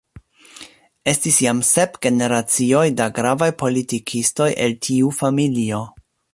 Estis jam sep generacioj da gravaj politikistoj el tiu familio.